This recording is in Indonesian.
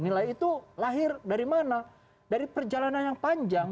nilai itu lahir dari mana dari perjalanan yang panjang